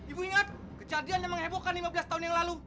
ibu ingat kejadian yang menghebohkan lima belas tahun yang lalu